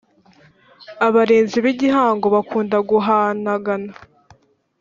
abarinzi b’ igihango bakunda guhanagana.